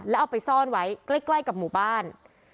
แล้วเอาไปซ่อนไว้ใกล้กับหมู่บ้าน